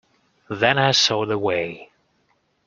Then I saw the way.